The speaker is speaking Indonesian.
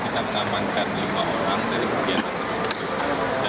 kita mengamankan lima orang dari kegiatan tersebut